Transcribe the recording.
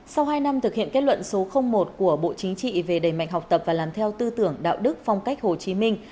sau hai năm thực hiện kết luận số một của bộ chính trị về đầy mạnh học tập và làm theo tư tưởng đạo đức phong cách hồ chí minh